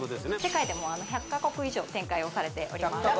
世界でもうあの１００か国以上展開をされております